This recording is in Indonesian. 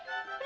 aku mau pergi